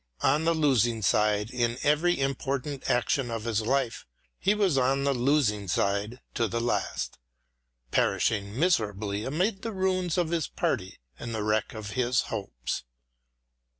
On the losing side in every important action of his life, he was on the losing side to the last, perishing miserably amid the ruins of his party and the wreck of his hopes.